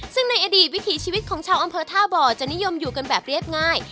ซึ่งในอดีตวิถีชีวิตของชาวอำเภอท่าบ่อจะนิยมอยู่กันแบบเรียบง่าย